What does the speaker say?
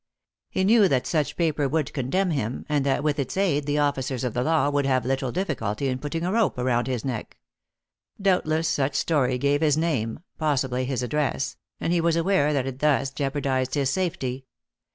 He knew that such paper would condemn him, and that with its aid the officers of the law would have little difficulty in putting a rope round his neck. Doubtless such story gave his name possibly his address and he was aware that it thus jeopardized his safety.